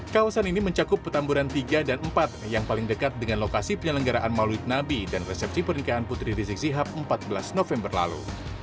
kawasan ini mencakup petamburan tiga dan empat yang paling dekat dengan lokasi penyelenggaraan maulid nabi dan resepsi pernikahan putri rizik sihab empat belas november lalu